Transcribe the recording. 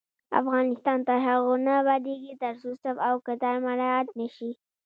افغانستان تر هغو نه ابادیږي، ترڅو صف او کتار مراعت نشي.